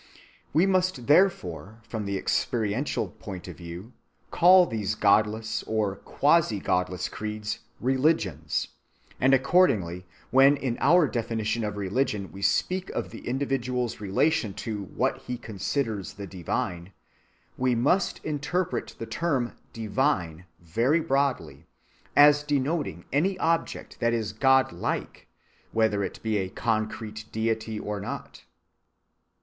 We must therefore, from the experiential point of view, call these godless or quasi‐godless creeds "religions"; and accordingly when in our definition of religion we speak of the individual's relation to "what he considers the divine," we must interpret the term "divine" very broadly, as denoting any object that is god_like_, whether it be a concrete deity or not.